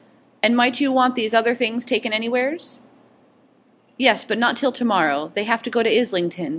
'And might you want these other things takin' anywheres?' 'Yes, but not till to morrow. They have to go to Islington.